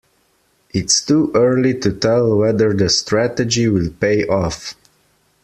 It's too early to tell whether the strategy will pay off.